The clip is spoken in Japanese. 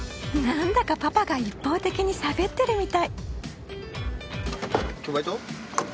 なんだかパパが一方的にしゃべってるみたい。